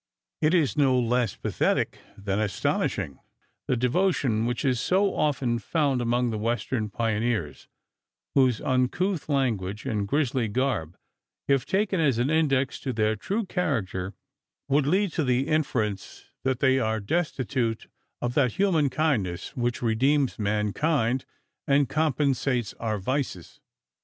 It is no less pathetic than astonishing the devotion which is so often found among the Western pioneers, whose uncouth language and grizzly garb, if taken as an index to their true character, would lead to the inference that they are destitute of that human kindness which redeems mankind and compensates our vices.